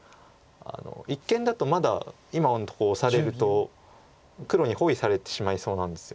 一間だとまだ今のとこオサれると黒に包囲されてしまいそうなんですよね。